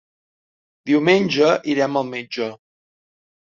Diumenge irem al metge.